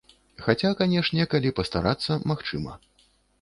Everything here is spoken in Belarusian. Хаця, канешне, калі пастарацца, магчыма.